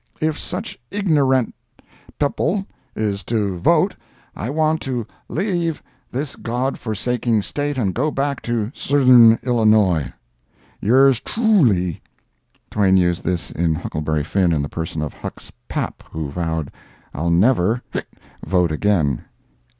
If such ignernat pepul is to voat I want to leav this God forsaking State and go back to Suthern illinois. "Yrs trooly." [Twain used this in Huckleberry Finn in the person of Huck's 'Pap' who vowed "I'll never (hic)vote again."